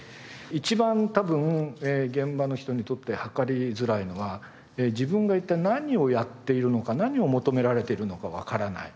一番多分現場の人にとって量りづらいのは自分が一体何をやっているのか何を求められているのかわからない。